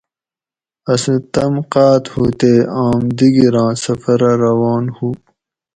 اسُوں تم قاۤت ہُو تے آم دِگیراں سفرہ روان ہُو